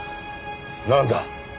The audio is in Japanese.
なんだ？